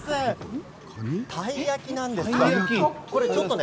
たい焼きなんです。